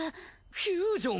フュージョン！？